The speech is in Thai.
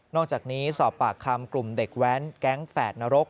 อกจากนี้สอบปากคำกลุ่มเด็กแว้นแก๊งแฝดนรก